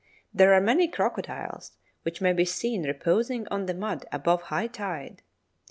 " There are many crocodiles, which may be seen reposing on the mud above high tide.